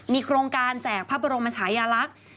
มีโครงการแจกพระบรมชายาลักษณ์